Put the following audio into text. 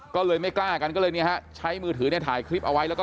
ก็เลยไม่กล้ากันก็เลยเนี่ยฮะใช้มือถือเนี่ยถ่ายคลิปเอาไว้แล้วก็